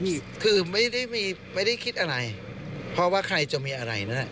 คลิปคือไม่ได้มีไม่ได้คิดอะไรเพราะว่าใครจะมีอะไรน่ะ